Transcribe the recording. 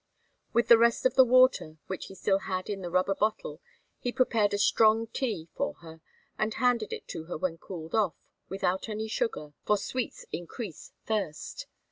With the rest of the water, which he still had in the rubber bottle, he prepared a strong tea for her and handed it to her when cooled off, without any sugar, for sweets increase thirst.